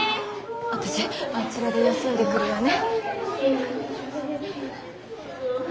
私あちらで休んでくるわね。